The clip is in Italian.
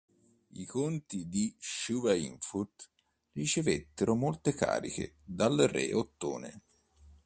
I conti di Schweinfurt ricevettero molte cariche dal re Ottone.